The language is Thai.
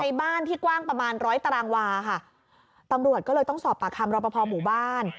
บ้านที่กว้างประมาณร้อยตารางวาค่ะตำรวจก็เลยต้องสอบปากคำรอปภหมู่บ้าน